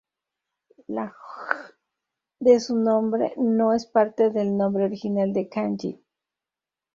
La "J" de su nombre no es parte del nombre original en Kanji.